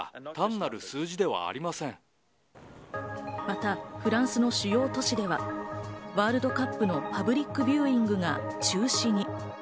また、フランスの主要都市では、ワールドカップのパブリックビューイングが中止に。